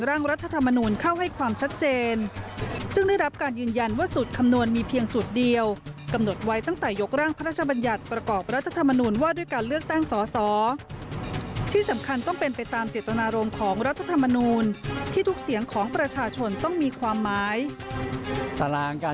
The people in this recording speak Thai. อย่างสูตรการคำนวณที่มีการพิเศษในคณะกรรมการ